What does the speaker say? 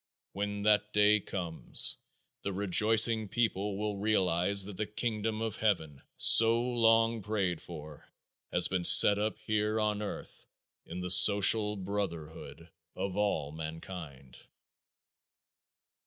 When that day comes the rejoicing people will realize that the kingdom of heaven, so long prayed for, has been set up here on earth in the social brotherhood of all mankind.